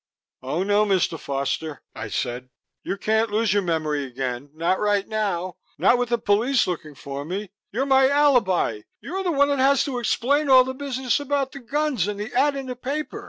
"Oh, no, Mr. Foster," I said. "You can't lose your memory again not right now, not with the police looking for me. You're my alibi; you're the one that has to explain all the business about the guns and the ad in the paper.